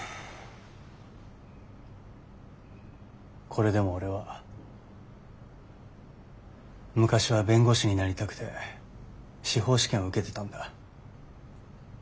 これでも俺は昔は弁護士になりたくて司法試験を受けてたんだ。